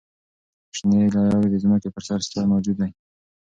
شنې ګیاوې د ځمکې پر سر ستر موجود دي.